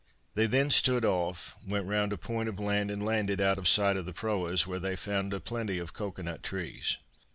They then stood off, went round a point of land and landed out of sight of the proas, when they found a plenty of cocoa nut trees.